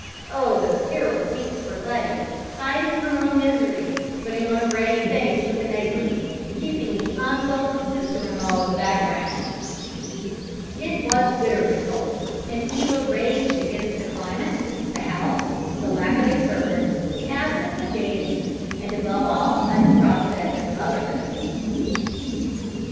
Oh, those terrible weeks for Letty, hiding her own misery, putting on a brave face with the neighbors, keeping the unwelcome sister in law in the background. It was bitterly cold, and Eva raged against the climate, the house, the lack of a servant, the absence of gayety, and above all at the prospect of motherhood.